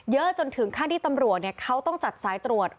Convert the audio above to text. เยอะตรงถึงถ้าที่ตำรวจเนี่ยเขาต้องจัดสายตรวจ